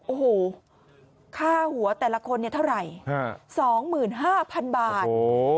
โอ้โหค่าหัวแต่ละคนเนี่ยเท่าไหร่๒๕๐๐๐บาท